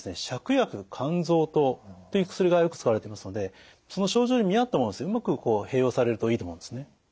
芍薬甘草湯という薬がよく使われていますのでその症状に見合ったものをうまく併用されるといいと思うんですね。